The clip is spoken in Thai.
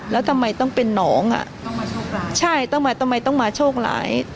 แล้วทำไมต้องเป็นน้องอ่ะต้องมาโชคร้ายใช่ต้องมาทำไมต้องมาโชคร้าย